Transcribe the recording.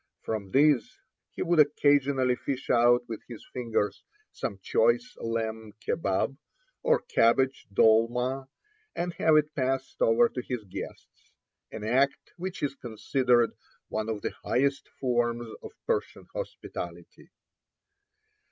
From these he would occasionally fish out with his fingers some choice lamb kebabh or cabbage dolmah, and have it passed over to his guests — an act which is considered one of the highest forms of Persian hospitality.